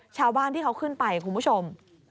ชาวบ้านที่เขาขึ้นไปคุณผู้ชม